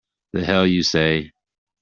The hell you say!